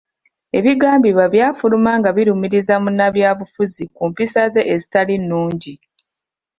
Ebigambibwa byafuluma nga birumiriza munnabyabufuzi ku mpisa ze ezitali nnungi.